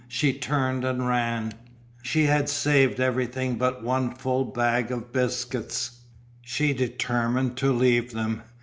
She turned and ran. She had saved everything but one full bag of biscuits; she determined to leave them.